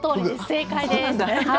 正解です。